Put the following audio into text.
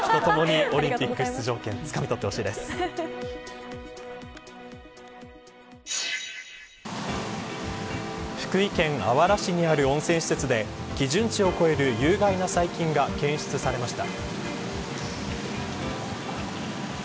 オリンピック出場権福井県あわら市にある温泉施設で基準値を超える有害な細菌が検出されました。